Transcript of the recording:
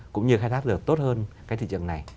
cũng như khai thác được tốt hơn cái thị trường này